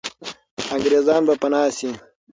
انګریزان به پنا سي.